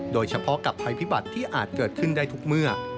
โดยเฉพาะกับภัยพิบัติที่อาจเกิดขึ้นได้ทุกเมื่อ